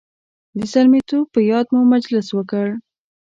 د زلمیتوب په یاد مو مجلس وکړ.